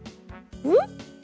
「うん？」。